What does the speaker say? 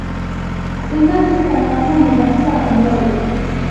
Inka zikamwa (nko mu masaa moya